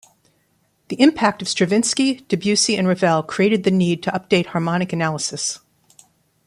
The impact of Stravinsky, Debussy, and Ravel created the need to update harmonic analysis.